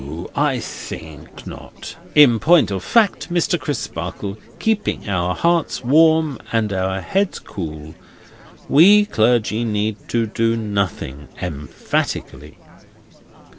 I think not. In point of fact, Mr. Crisparkle, keeping our hearts warm and our heads cool, we clergy need do nothing emphatically."